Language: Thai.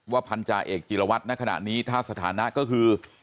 ว่าพันธาเอกจิรวรรดิณขณะนี้ท่าสถานาก็คือ